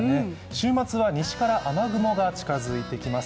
週末は西から雨雲が近づいてきます。